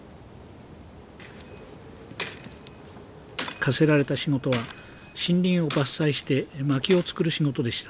課せられた仕事は森林を伐採してまきを作る仕事でした。